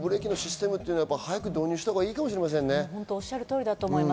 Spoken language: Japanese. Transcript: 自動ブレーキのシステムってのは早く導入したほうがいいかもしれませんね。